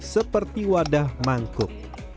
seperti wadah mangkuk